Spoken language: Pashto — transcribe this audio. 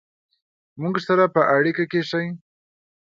مونږ سره په اړیکه کې شئ